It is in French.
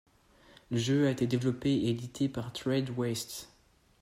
Le jeu a été développé et édité par Tradewest.